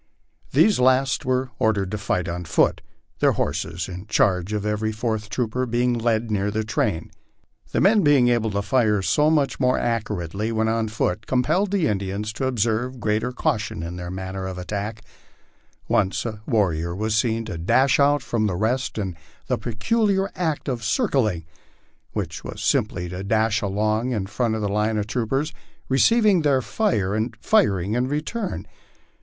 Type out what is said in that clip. These last were ordered to fight on foot, their horses, in charge of every fourth trooper, being led near the train. The men being able to fire so much more LIFE ON THE PLAINS. 137 accurately when on foot, compelled the Indians to observe greater caution in their manner of attack. Once a warrior was seen to dash out from the rest in the peculiar act of " circling," which was simply to dash along in front of the line of troopers, receiving their fire and firing in return.